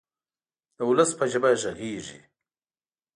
د ولس په ژبه غږیږي.